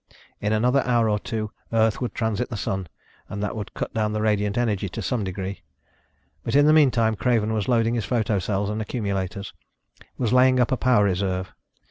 In another hour or two Earth would transit the Sun and that would cut down the radiant energy to some degree. But in the meantime Craven was loading his photo cells and accumulators, was laying up a power reserve.